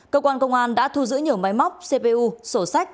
cơ quan công an đã thu giữ nhiều máy móc cpu sổ sách